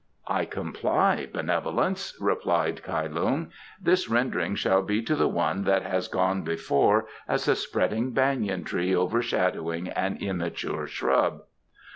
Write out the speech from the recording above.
"I comply, benevolence," replied Kai Lung. "This rendering shall be to the one that has gone before as a spreading banyan tree overshadowing an immature shrub."